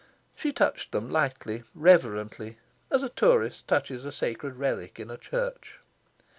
She touched them lightly, reverently, as a tourist touches a sacred relic in a church.